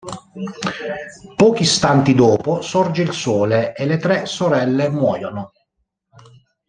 Pochi istanti dopo sorge il sole e le tre sorelle muoiono.